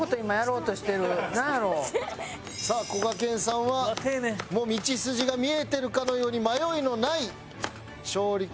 さあこがけんさんはもう道筋が見えてるかのように迷いのない調理工程ですね。